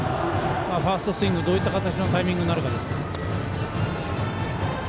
ファーストスイングどういう形のタイミングになるか。